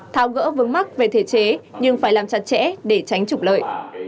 tháo gỡ vướng mắt về thể chế nhưng phải làm chặt chẽ để tránh trục lợi